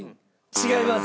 違います！